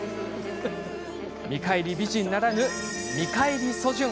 「見返り美人」ならぬ「見返りソジュン」。